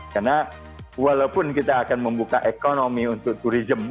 karena walaupun kita akan membuka ekonomi untuk turism